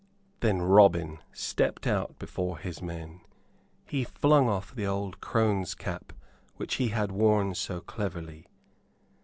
Then Robin stepped out before his men. He flung off the old crone's cap which he had worn so cleverly.